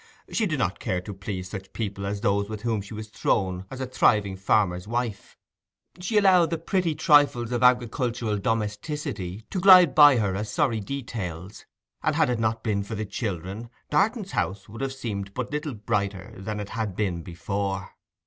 She did not care to please such people as those with whom she was thrown as a thriving farmer's wife. She allowed the pretty trifles of agricultural domesticity to glide by her as sorry details, and had it not been for the children Darton's house would have seemed but little brighter than it had been before.